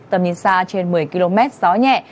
tầm nhìn xa trên một mươi km gió nhẹ